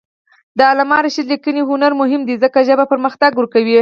د علامه رشاد لیکنی هنر مهم دی ځکه چې ژبه پرمختګ ورکوي.